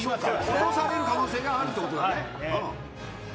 落とされる可能性があるってことね。